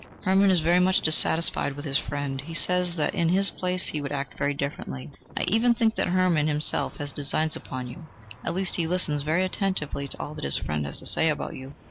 "Hermann is very much dissatisfied with his friend: he says that in his place he would act very differently... I even think that Hermann himself has designs upon you; at least, he listens very attentively to all that his friend has to say about you."